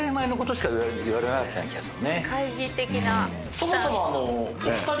そもそも。